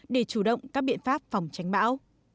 để chủ động các biện pháp phòng tránh bão